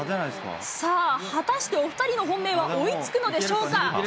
さあ、果たして、お２人の本命は追いつくのでしょうか。